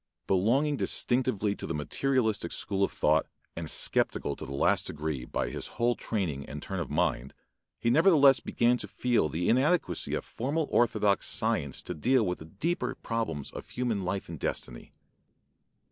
Belonging distinctively to the materialistic school of thought and skeptical to the last degree by his whole training and turn of mind, he nevertheless began to feel the inadequacy of formal orthodox science to deal with the deeper problems of human life and destiny.